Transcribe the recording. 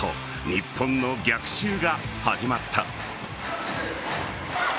日本の逆襲が始まった。